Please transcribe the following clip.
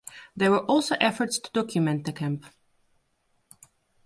There were also efforts to document the camp.